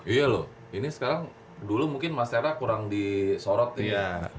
iya loh ini sekarang dulu mungkin mas tera kurang disorot nih ya